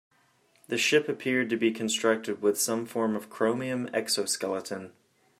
The ship appeared to be constructed with some form of chromium exoskeleton.